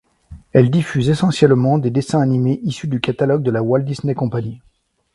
Elle diffuse essentiellement des dessins animés issus du catalogue de la Walt Disney Company.